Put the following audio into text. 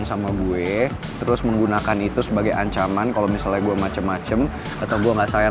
sampai jumpa di video selanjutnya